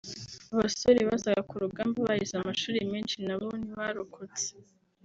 Abasore bazaga ku rugamba barize amashuli menshi nabo ntibarokotse